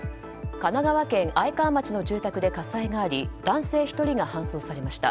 神奈川県愛川町の住宅で火災があり男性１人が搬送されました。